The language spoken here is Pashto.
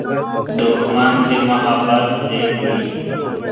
دښمن د محبت ضد وي